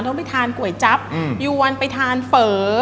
ต้องไปทานก๋วยจั๊บยวนไปทานเฝอ